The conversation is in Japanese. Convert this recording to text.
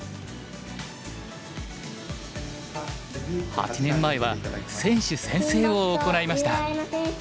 ８年前は選手宣誓を行いました。